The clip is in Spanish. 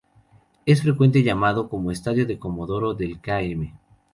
Es frecuentemente llamado como Estadio Comodoro del Km.